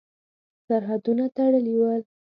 سرحدونه تړلي ول.